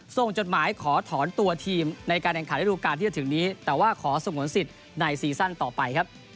จดหมายขอถอนตัวทีมในการแข่งขันระดูการที่จะถึงนี้แต่ว่าขอสงวนสิทธิ์ในซีซั่นต่อไปครับ